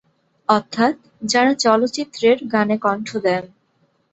অর্থাৎ যারা চলচ্চিত্রের গানে কণ্ঠ দেন।